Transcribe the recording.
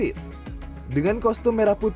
ini sambal makan